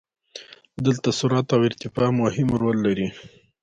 دلته سرعت او ارتفاع مهم رول لري.